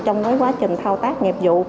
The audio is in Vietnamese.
trong quá trình thao tác nghiệp dụ